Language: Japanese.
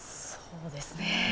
そうですね。